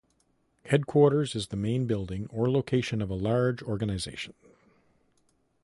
Headquarters is the main building or location of a large organization.